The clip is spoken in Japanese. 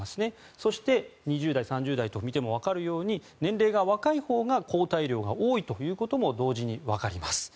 そして２０代、３０代と見てもわかるように年齢が若いほうが抗体量が多いということも同時にわかります。